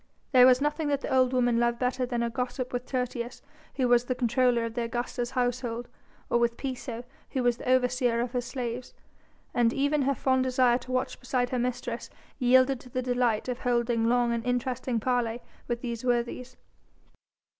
There was nothing that the old woman loved better than a gossip with Tertius, who was the comptroller of the Augusta's household, or with Piso, who was the overseer of her slaves: and even her fond desire to watch beside her mistress yielded to the delight of holding long and interesting parley with these worthies.